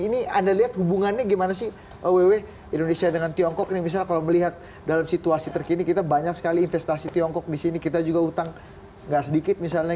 ini anda lihat hubungannya gimana sih ww indonesia dengan tiongkok ini misalnya kalau melihat dalam situasi terkini kita banyak sekali investasi tiongkok di sini kita juga utang nggak sedikit misalnya